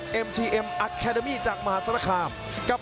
คืนได้ไหมโอ้โหโดนเขาขวาอีกแล้วครับ